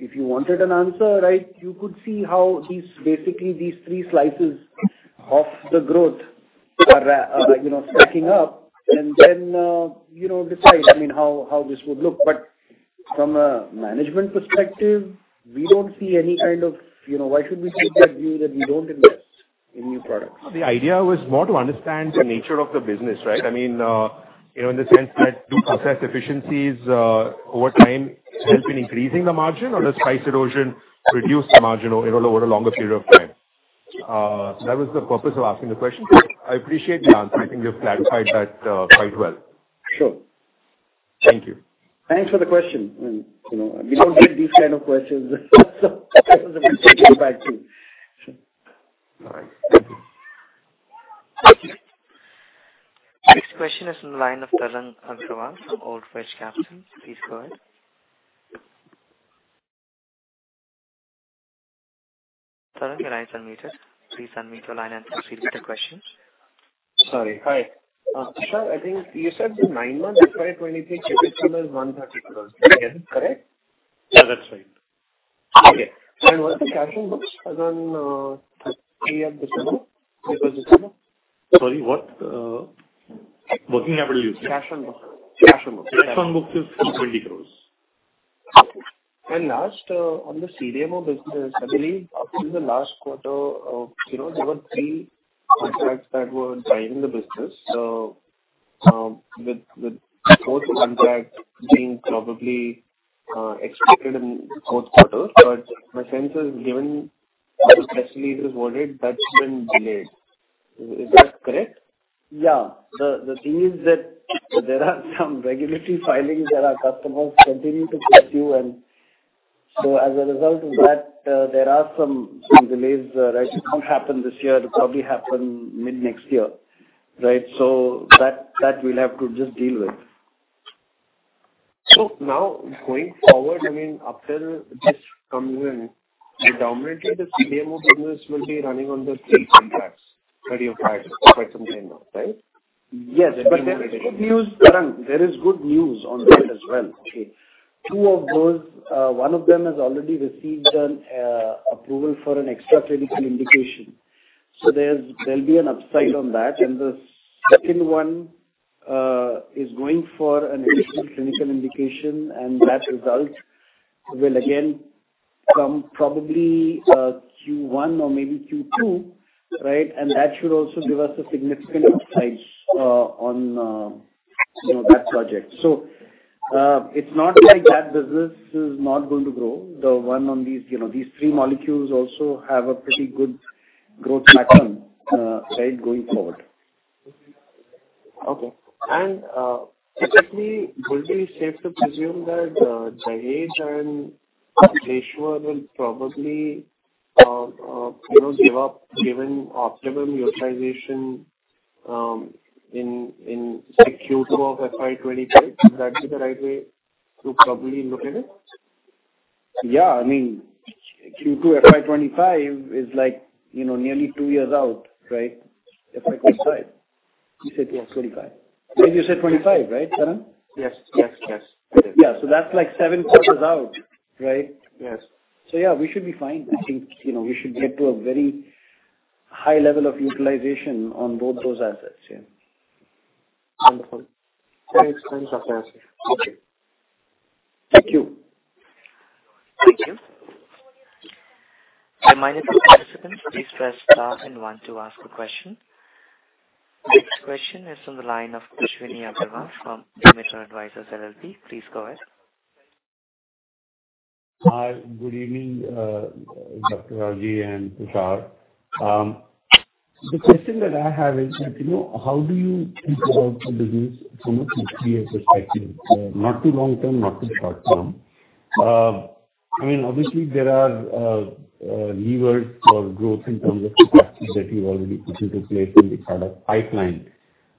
if you wanted an answer, right, you could see how basically these three slices of the growth are, you know, stacking up and then, you know, decide, I mean, how this would look. From a management perspective, we don't see any kind of, you know, why should we take that view that we don't invest in new products? The idea was more to understand the nature of the business, right? I mean, you know, in the sense that do process efficiencies, over time help in increasing the margin or does price erosion reduce the margin, you know, over a longer period of time? That was the purpose of asking the question. I appreciate the answer. I think you've clarified that, quite well. Sure. Thank you. Thanks for the question. You know, we don't get these kind of questions so this is a good check in back too. All right. Thank you. Next question is in the line of Tarang Agrawal from Old Bridge Capital. Please go ahead. Tarun, your line's unmuted. Please unmute your line and proceed with the question. Sorry. Hi. sir, I think you said the nine-month FY 2023 chipset sale is INR 130 crores. Is that correct? Yeah, that's right. Okay. What's the cash on books as on 31st December? Sorry, what? Working capital, you said? Cash on books. Cash on books. Cash on books is 5,000 crores. Last, on the CDMO business, I believe up till the last quarter, you know, there were three contracts that were driving the business. With fourth contract being probably, expected in fourth quarter. My sense is given how the press release was worded, that's been delayed. Is that correct? Yeah. The thing is that there are some regulatory filings that our customers continue to pursue. As a result of that, there are some delays, right. It won't happen this year. It'll probably happen mid next year, right. That we'll have to just deal with. Now going forward, I mean, until this comes in, predominantly the CDMO business will be running on the three contracts that you acquired quite some time now, right? Yes. There is good news, Tarun. There is good news on that as well. Okay. Two of those, one of them has already received an approval for an extra clinical indication. There'll be an upside on that. The second one is going for an additional clinical indication, and that result will again come probably Q1 or maybe Q2, right? That should also give us a significant upside on, you know, that project. It's not like that business is not going to grow. The one on these, you know, these three molecules also have a pretty good growth pattern, right, going forward. Okay. typically would it be safe to presume that Dahej and Ankleshwar will probably give up given optimum utilization in say Q2 of FY 2025? Would that be the right way to probably look at it? Yeah. I mean, Q2 FY 2025 is like, you know, nearlytwo years out, right? FY 2025. You said, yeah, 25. I think you said 25, right, Tarun? Yes. Yes. Yes. Yeah. That's like seven quarters out, right? Yes. Yeah, we should be fine. I think, you know, we should get to a very high level of utilization on both those assets, yeah. Wonderful. Thanks for the answer. Okay. Thank you. Thank you. A reminder to participants, please press star and one to ask a question. Next question is from the line of Ashwini Agarwal from Emison Advisors LLP. Please go ahead. Hi. Good evening, Dr. Rawjee and Tushar. The question that I have is that, you know, how do you think about the business from a 50-year perspective? Not too long term, not too short term. I mean, obviously there are levers for growth in terms of capacity that you've already put into place in the product pipeline.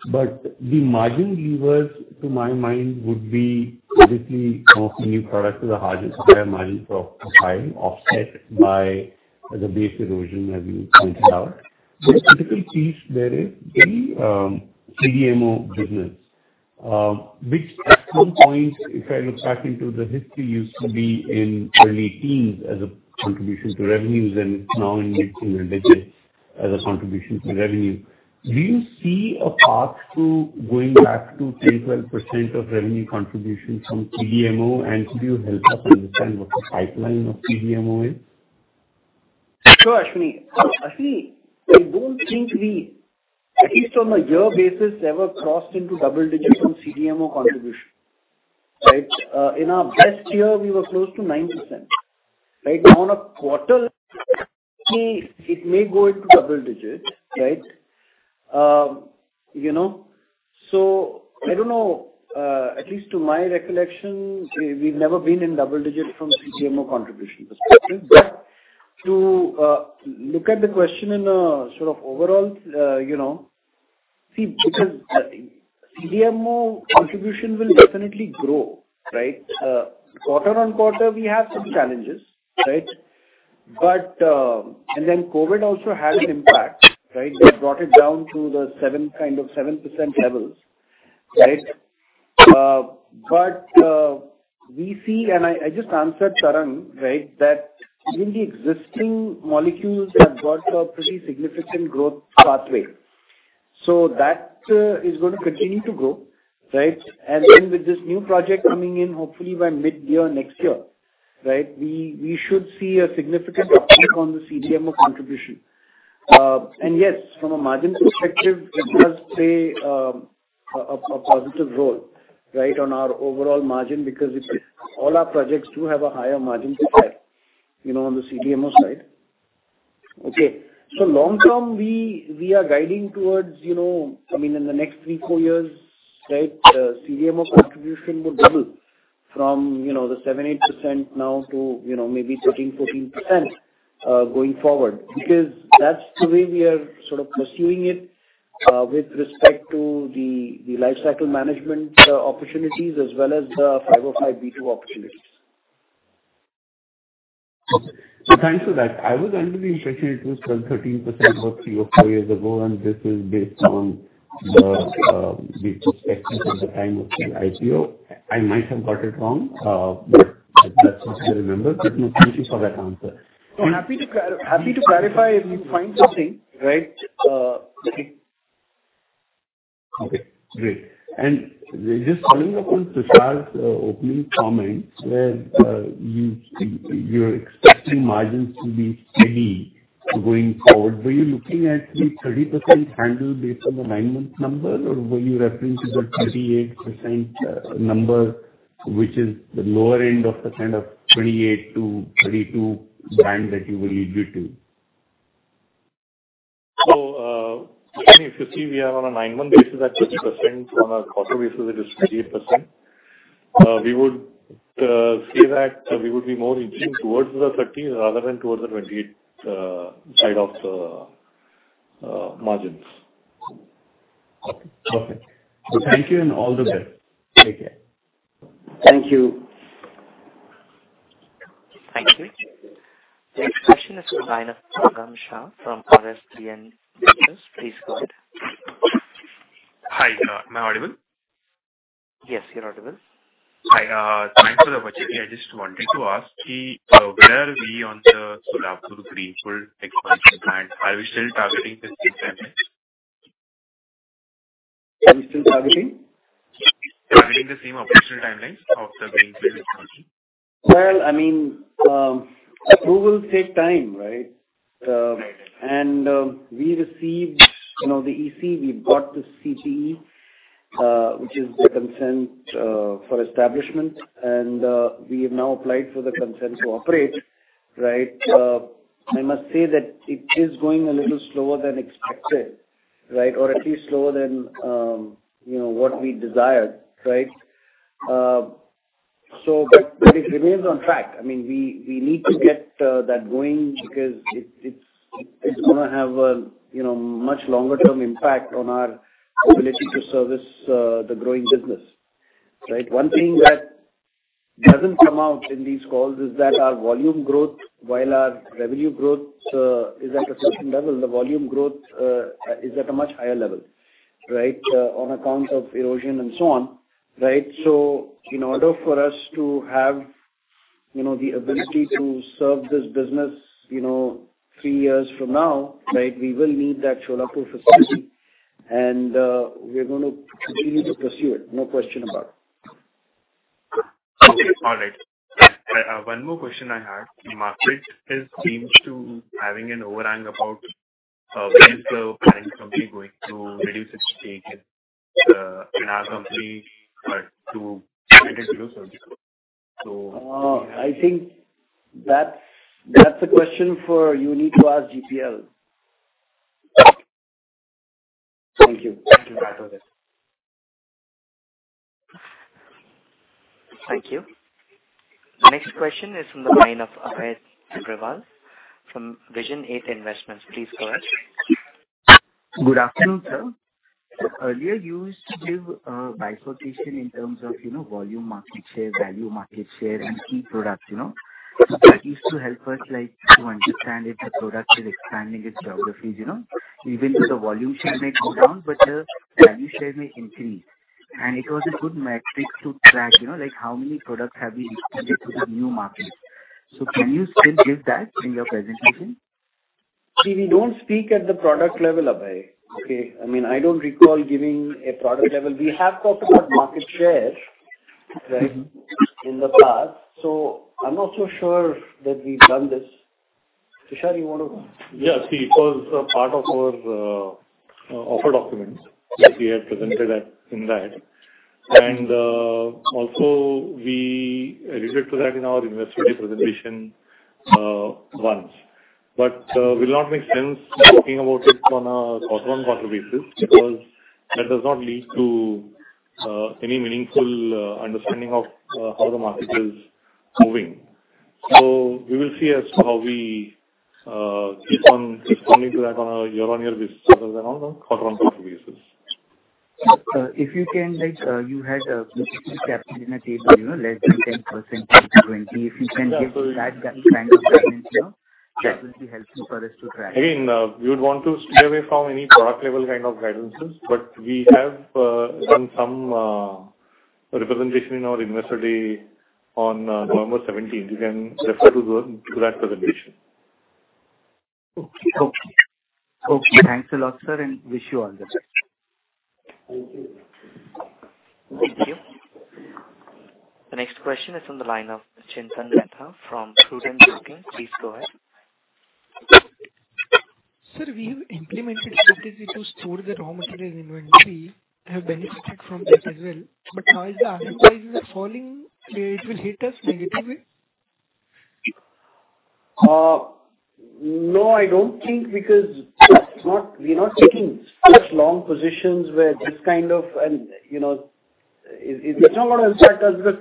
The margin levers to my mind would be obviously offering new products with a higher margin pro-profile offset by the base erosion as you pointed out. The critical piece there is the CDMO business, which at some point, if I look back into the history, used to be in early teens as a contribution to revenues and now in mid-teen digits as a contribution to revenue. Do you see a path to going back to 10%-12% of revenue contribution from CDMO and could you help us understand what the pipeline of CDMO is? Sure, Ashwini. Ashwini, I don't think we, at least on a year basis, ever crossed into double digits on CDMO contribution. Right? In our best year we were close to 9%. Right? Now on a quarter it may, it may go into double digits, right? You know, so I don't know, at least to my recollection, we've never been in double digit from CDMO contribution perspective. To look at the question in a sort of overall, you know... See, because CDMO contribution will definitely grow, right? Quarter on quarter we have some challenges, right? COVID also had an impact, right? That brought it down to the seven, kind of 7% levels, right? We see and I just answered sudden, right, that even the existing molecules have got a pretty significant growth pathway. That is going to continue to grow, right? With this new project coming in, hopefully by mid-year next year, right, we should see a significant uptick on the CDMO contribution. And yes, from a margin perspective, it does play a positive role, right, on our overall margin because all our projects do have a higher margin profile, you know, on the CDMO side. Okay. Long term, we are guiding towards, you know, I mean, in the next three, four years, right, CDMO contribution will double from, you know, the 7%-8% now to, you know, maybe 13%-14% going forward. That's the way we are sort of pursuing it with respect to the lifecycle management opportunities as well as the Five-oh-five opportunities. Thanks for that. I was under the impression it was 12%-13% about three or four years ago, and this is based on the expectations at the time of the IPO. I might have got it wrong, but that's as I remember. No, thank you for that answer. Happy to clarify if you find something, right, like... Okay, great. Just following up on Tushar's opening comments where you're expecting margins to be steady going forward. Were you looking at the 30% handle based on the nine-month number or were you referencing the 28% number which is the lower end of the kind of 28%-32% band that you were leading to? If you see we are on a nine-month basis at 30%. On a quarter basis it is 28%. We would say that we would be more inclined towards the 30s rather than towards the 28 side of the margins. Okay. Okay. Thank you and all the best. Take care. Thank you. Thank you. The next question is from the line of Ghanshyam from RSBN Business. Please go ahead. Hi, am I audible? Yes, you're audible. Hi, thanks for the opportunity. I just wanted to ask you, where are we on the Solapur greenfield expansion, and are we still targeting the same timeline? Are we still targeting? Targeting the same operational timelines of the Greenfield expansion. Well, I mean, approvals take time, right? Right. We received, you know, the EC. We've got the CTE, which is the consent for establishment and we have now applied for the consent to operate, right? I must say that it is going a little slower than expected, right? Or at least slower than, you know, what we desired, right? But it remains on track. I mean, we need to get that going because it's, it's gonna have a, you know, much longer term impact on our ability to service the growing business, right? One thing that doesn't come out in these calls is that our volume growth, while our revenue growth is at a certain level, the volume growth is at a much higher level, right? On account of erosion and so on, right? In order for us to have, you know, the ability to serve this business, you know, three years from now, right, we will need that Solapur facility and we're gonna continue to pursue it. No question about it. Okay. All right. One more question I had. The market has seemed to having an overhang about, when is the parent company going to reduce its stake in our company, to 10% or so. I think that's a question for you need to ask GPL. Thank you. Thank you. That was it. Thank you. Next question is from the line of Abhay Agarwal from VisionEight Investments. Please go ahead. Good afternoon, sir. Earlier you used to give a bifurcation in terms of, you know, volume market share, value market share and key products, you know. That used to help us like to understand if the product is expanding its geographies, you know. Even though the volume share may go down, but the value share may increase. It was a good metric to track, you know, like how many products have we extended to the new markets. Can you still give that in your presentation? See, we don't speak at the product level, Abhay. Okay? I mean, I don't recall giving a product level. We have talked about market share, right, in the past, so I'm not so sure that we've done this. Tushar, you wanna- Yeah. See, it was a part of our offer documents that we had presented at Ind-Ra. Also we alluded to that in our Investor Day presentation Once. Will not make sense talking about it on a quarter-over-quarter basis, because that does not lead to any meaningful understanding of how the market is moving. We will see as to how we keep on responding to that on a year-over-year basis rather than on a quarter-over-quarter basis. If you can, like, you had, basically captured in a table, you know, less than 10%. If you can give that kind of guidance, you know, that will be helpful for us to track. We would want to stay away from any product level kind of guidances, but we have done some representation in our Investor Day on November 17th. You can refer to that presentation. Okay. Okay. Okay. Thanks a lot, sir. Wish you all the best. Thank you. Thank you. The next question is on the line of Chintan Mehta from Prudent Broking. Please go ahead. Sir, we have implemented strategy to store the raw material inventory, have benefited from that as well. Now as the raw material prices are falling, it will hit us negatively? No, I don't think because we are not taking such long positions where this kind of, you know, it's not gonna affect us because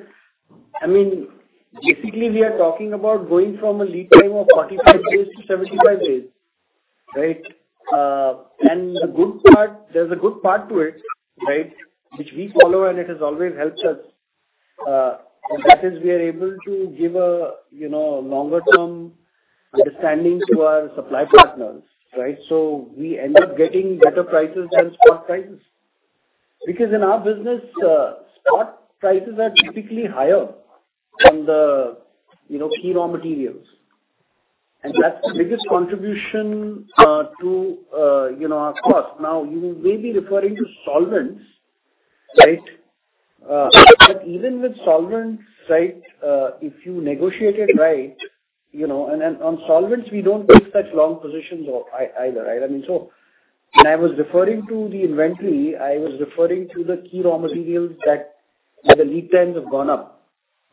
I mean, basically, we are talking about going from a lead time of 45 days-75 days, right? The good part, there's a good part to it, right, which we follow and it has always helped us. That is we are able to give a, you know, longer-term understanding to our supply partners, right? We end up getting better prices than spot prices. Because in our business, spot prices are typically higher on the, you know, key raw materials. That's the biggest contribution to, you know, our cost. Now, you may be referring to solvents, right? Even with solvents, right, if you negotiate it right, you know, and then on solvents, we don't take such long positions or either, right? I mean, when I was referring to the inventory, I was referring to the key raw materials that, where the lead times have gone up.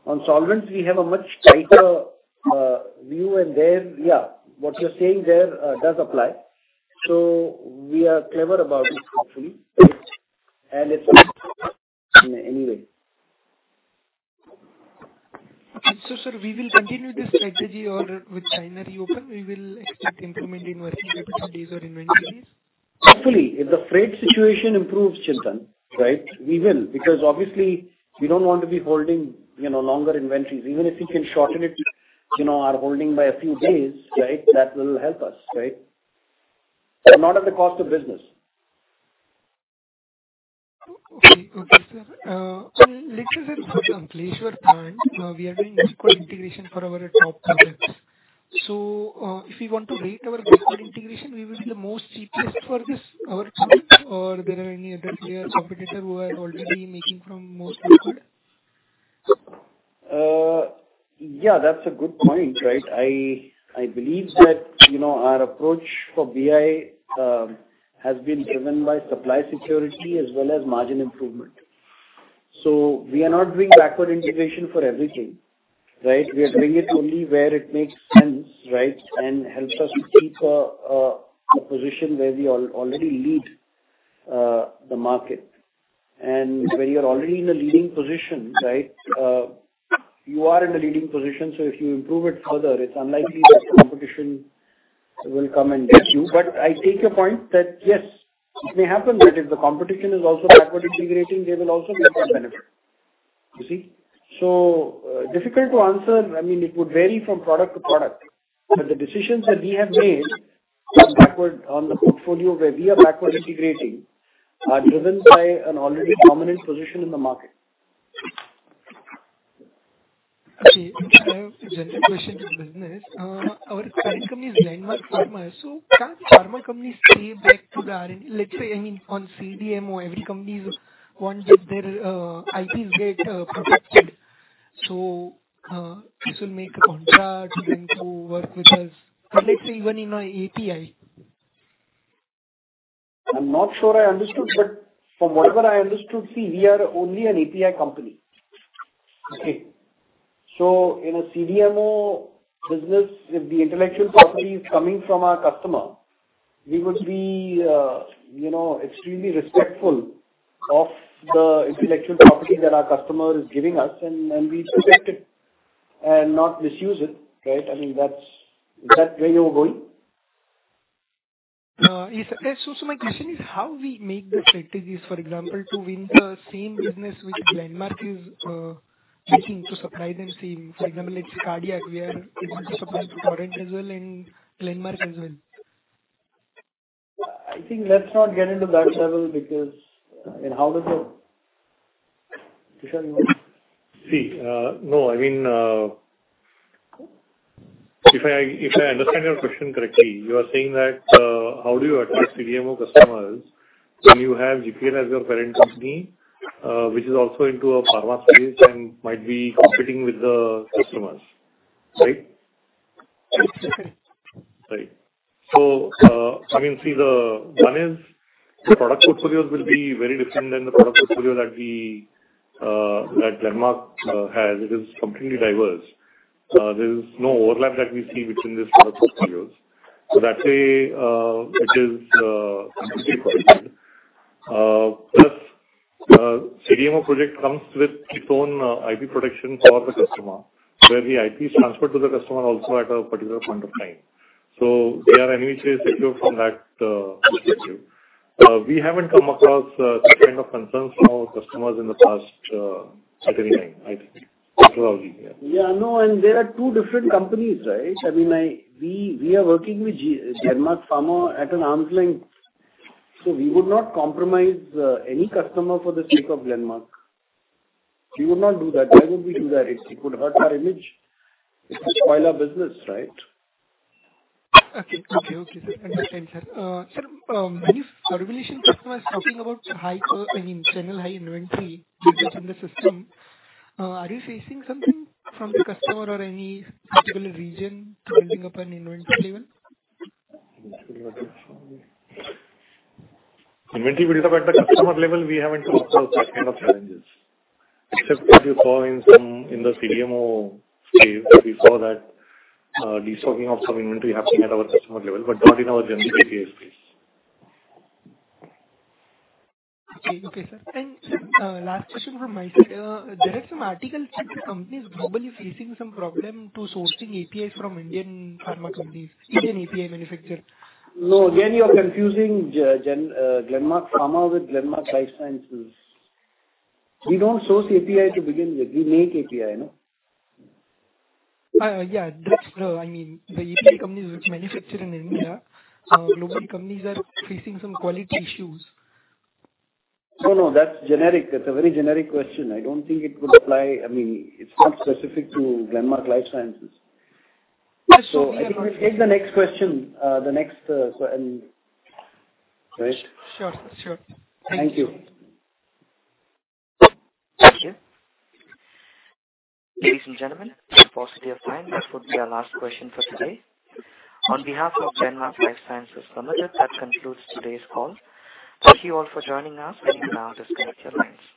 On solvents, we have a much tighter view, and there, yeah, what you're saying there, does apply. We are clever about it, hopefully. It's anyway. Sir, we will continue this strategy or with China reopen, we will expect increment in working capital days or inventory days? Hopefully, if the freight situation improves, Chintan, right, we will. Obviously we don't want to be holding, you know, longer inventories. Even if we can shorten it, you know, our holding by a few days, right, that will help us, right? Not at the cost of business. Okay. Okay, sir. On let's say for example, Ankleshwar plant, we are doing backward integration for our top products. If we want to rate our backward integration, we will be the most cheapest for this or product or there are any other clear competitor who are already making from most backward? Yeah, that's a good point, right? I believe that, you know, our approach for BI has been driven by supply security as well as margin improvement. We are not doing backward integration for everything, right? We are doing it only where it makes sense, right? Helps us to keep a position where we already lead the market. When you're already in a leading position, right, you are in a leading position, so if you improve it further, it's unlikely that competition will come and get you. I take your point that yes, it may happen that if the competition is also backward integrating, they will also get that benefit. You see? Difficult to answer. I mean, it would vary from product to product. The decisions that we have made on backward, on the portfolio where we are backward integrating are driven by an already dominant position in the market. Okay. I have a general question to the business. Our parent company is Glenmark Pharmaceuticals. Can pharma companies pay back to the R&D? Let's say, I mean, on CDMO, every company want that their IPs get protected. This will make a contract, then to work with us. Let's say even in our API. I'm not sure I understood. From whatever I understood, see, we are only an API company. Okay? In a CDMO business, if the intellectual property is coming from our customer, we would be, you know, extremely respectful of the intellectual property that our customer is giving us and we protect it and not misuse it, right? I mean, that's... Is that where you were going? Yes. My question is how we make the strategies, for example, to win the same business which Glenmark is looking to supply the same. For example, it's cardiac where it's supposed to current as well and Glenmark as well. I think let's not get into that level because, Vishal, you want to? No. I mean, if I, if I understand your question correctly, you are saying that, how do you attract CDMO customers when you have GPL as your parent company, which is also into a pharma space and might be competing with the customers, right? I mean, see the one is the product portfolios will be very different than the product portfolio that we, that Glenmark has. It is completely diverse. There is no overlap that we see between these product portfolios. That way, it is completely protected. Plus, CDMO project comes with its own IP protection for the customer, where the IP is transferred to the customer also at a particular point of time. They are anyways secure from that perspective. We haven't come across, such kind of concerns from our customers in the past, at any time, I think. That's how we... Yeah. Yeah. No. There are two different companies, right? I mean, we are working with Glenmark Pharmaceuticals at an arm's length, so we would not compromise any customer for the sake of Glenmark. We would not do that. Why would we do that? It would hurt our image. It would spoil our business, right? Okay. Okay. Okay, sir. Understand, sir. sir, many regulation customers talking about high, I mean, general high inventory built up in the system. Are you facing something from the customer or any particular region building up an inventory level? Inventory built up at the customer level, we haven't come across such kind of challenges. Except what you saw in some, in the CDMO space, we saw that, destocking of some inventory happening at our customer level, but not in our general API space. Okay. Okay, sir. Sir, last question from my side. There are some articles saying companies globally facing some problem to sourcing APIs from Indian pharma companies, Indian API manufacturers. Again, you're confusing Glenmark Pharmaceuticals with Glenmark Life Sciences. We don't source API to begin with. We make API, no? Yeah. I mean, the API companies which manufacture in India, global companies are facing some quality issues. No, no, that's generic. That's a very generic question. I don't think it would apply. I mean, it's not specific to Glenmark Life Sciences. Yeah, sure. I think you take the next question. Right. Sure. Sure. Thank you. Thank you. Ladies and gentlemen, for the paucity of time, that would be our last question for today. On behalf of Glenmark Life Sciences Limited, that concludes today's call. Thank you all for joining us, and you may now disconnect your lines.